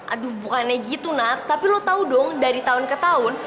aduh bukannya gitu nak tapi lo tau dong dari tahun ke tahun